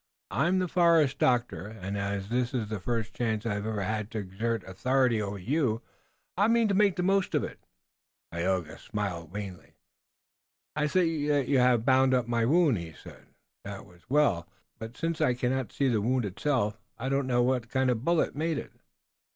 I'm the forest doctor, and as this is the first chance I've ever had to exert authority over you, I mean to make the most of it." Tayoga smiled wanly. "I see that you have bound up my wound," he said. "That was well. But since I cannot see the wound itself I do not know what kind of a bullet made it."